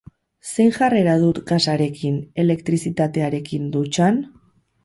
Zein jarrera dut gasarekin, elektrizitatearekin, dutxan?